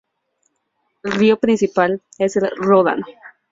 El río principal es el Ródano.